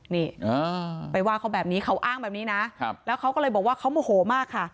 นี่ไปว่าเขาแบบนี้เขาอ้างแบบนี้นะแล้วเขาก็เลยบอกว่าเขาโมโหมากค่ะ